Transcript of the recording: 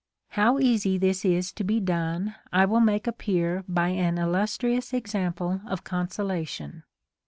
How easy this is to be done, I will make appear by an il lustrious example of consolation.